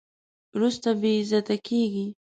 وروسته بې عزته کېږي.